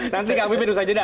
nanti kak mimpin usah jeda